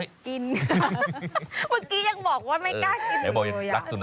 เมื่อกี๊ยังบอกว่าไม่กล้ากิน